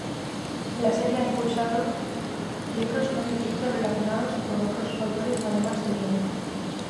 La serie ha impulsados libros no ficticios relacionados, por otros autores además de King.